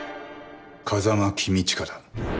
「風間公親だ」